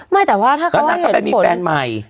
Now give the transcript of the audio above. ไม่แต่ว่าถ้าเขาว่าเหตุผลแล้วนางก็ไปมีแฟนใหม่